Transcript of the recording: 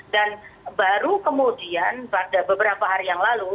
baru kemudian pada beberapa hari yang lalu